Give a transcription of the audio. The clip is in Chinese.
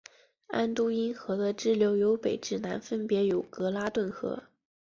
安都因河的支流由北至南分别有格拉顿河。